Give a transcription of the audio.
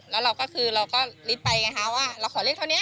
แล้วเราก็คือเราก็ลิฟต์ไปไงฮะว่าเราขอเลขเท่านี้